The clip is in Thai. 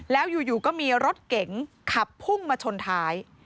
แล้วอยู่ก็มีรถเก๋งขับพุ่งมาชนท้าย